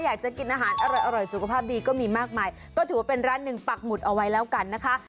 อยากจะกินอาหารอร่อยสุขภาพดีก็มีมากมายก็ถือว่าเป็นร้านหนึ่งปักหมุดเอาไว้แล้วกันนะคะ